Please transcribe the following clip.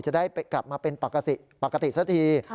จะได้กลับมาเป็นปกติสักที